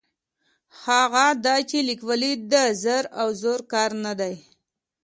هغه دا چې لیکوالي د زر او زور کار نه دی.